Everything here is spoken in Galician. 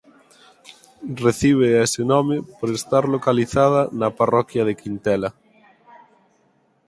Recibe ese nome por estar localizada na parroquia de Quintela.